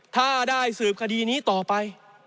ถ้าได้สืบคดีนี้ต่อไป